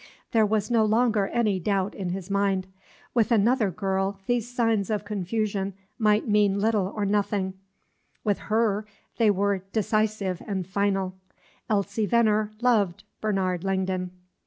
There was no longer any doubt in his mind. With another girl these signs of confusion might mean little or nothing; with her they were decisive and final. Elsie Venner loved Bernard Langdon.